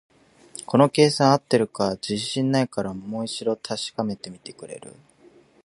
この計算、合ってるか自信ないから、もう一度確かめてみてくれる？